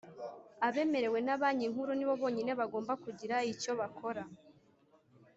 abemerewe na Banki Nkuru ni bo bonyine bagomba kugira icyo bakora